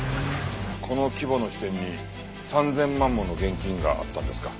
この規模の支店に３０００万もの現金があったんですか？